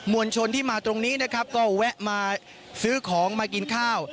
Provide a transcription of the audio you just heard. วลชนที่มาตรงนี้นะครับก็แวะมาซื้อของมากินข้าว